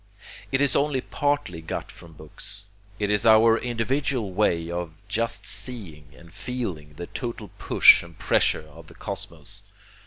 It is only partly got from books; it is our individual way of just seeing and feeling the total push and pressure of the cosmos.